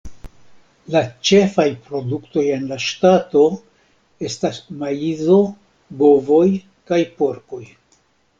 La ĉefaj produktoj en la ŝtato estas maizo, bovoj, kaj porkoj.